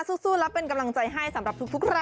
สวัสดีค่ะ